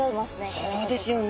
そうですよね。